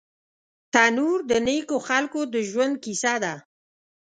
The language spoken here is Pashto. تنور د نیکو خلکو د ژوند کیسه ده